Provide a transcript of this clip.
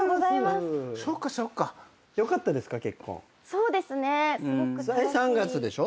そうですね。３月でしょ？